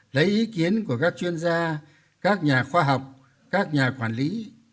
lấy ý kiến của các chuyên gia các nhà khoa học các nhà quản lý